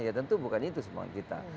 ya tentu bukan itu semangat kita